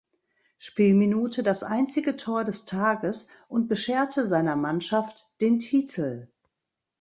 Spielminute das einzige Tor des Tages und bescherte seiner Mannschaft den Titel.